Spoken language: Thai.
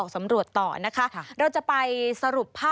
สวัสดีค่ะสวัสดีค่ะ